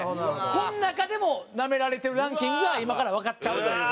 この中でもナメられてるランキングが今からわかっちゃうという。